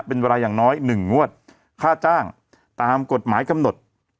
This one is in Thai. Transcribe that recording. เป็นเวลาอย่างน้อย๑งวดค่าจ้างตามกฎหมายกำหนด